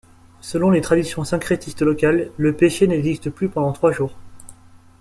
Selon les traditions syncrétistes locales, le péché n'existe plus pendant trois jours.